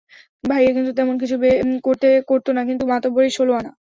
ভাইয়া কিন্তু তেমন বেশি কিছু করত না, কিন্তু মাতব্বরি ষোলো আনা।